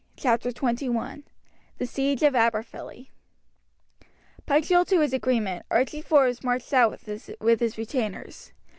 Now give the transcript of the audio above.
Chapter XXI The Siege of Aberfilly Punctual to his agreement, Archie Forbes marched south with his retainers.